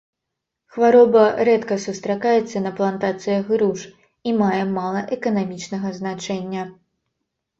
Хвароба рэдка сустракаецца на плантацыях груш і мае мала эканамічнага значэння.